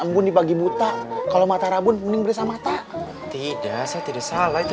mbun dibagi buta kalau matahara buning beres mata tidak saya tidak salah itu